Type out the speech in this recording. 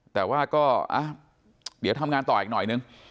แต่ว่าก็เดี๋ยวทำงานต่ออีกหน่อยนึง